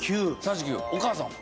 お母さんは？